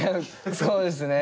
そうですね。